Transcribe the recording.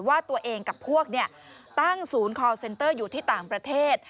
ว่าตัวเองกับพวกตั้งศูนย์คอลเซนเตอร์อยู่ที่ต่างประเทศ